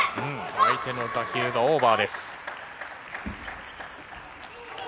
相手の打球がオーバーです。